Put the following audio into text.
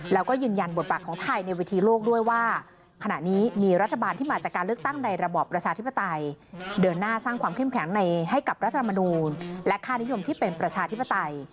เดินหน้าสร้างความเข้มแข็งในให้กับรัฐธรรมนุษย์และคาริยมที่เป็นประชาธิปไตย